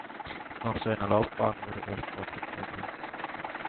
Nach seiner Laufbahn wurde er Sportreporter.